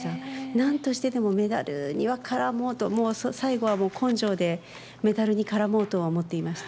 なんとしてでもメダルには絡もうと、もう、最後は根性でメダルに絡もうとは思っていました。